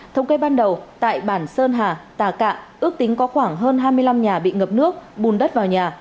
thống kê ban đầu tại bản sơn hà tà cạ ước tính có khoảng hơn hai mươi năm nhà bị ngập nước bùn đất vào nhà